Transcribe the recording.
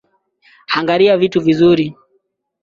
Angalia vitu vizuri.